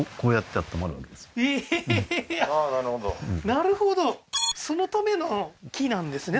ああーなるほどなるほどそのための木なんですね